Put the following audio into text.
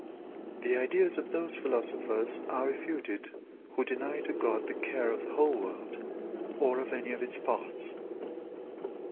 The ideas of those philosophers are refuted who deny to God the care of the whole world, or of any of its parts.